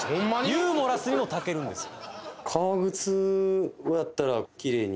ユーモラスにもたけるんですよ